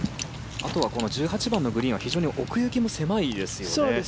あとは１８番のグリーンは奥行きも狭いですよね。